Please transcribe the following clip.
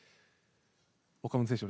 岡本選手